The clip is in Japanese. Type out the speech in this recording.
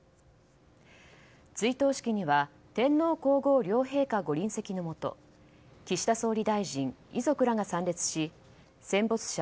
追悼式には天皇・皇后両陛下ご臨席のもと岸田総理大臣、遺族らが参列し戦没者